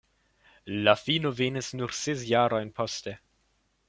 La fino venis nur ses jarojn poste.